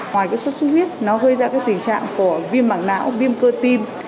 ngoài cái suốt suốt huyết nó gây ra cái tình trạng của viêm mảng não viêm cơ tim